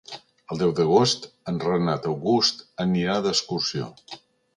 El deu d'agost en Renat August anirà d'excursió.